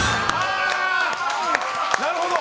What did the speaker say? なるほど。